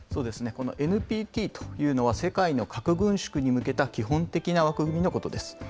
このＮＰＴというのは、世界の核軍縮に向けた基本的な枠組みのことです。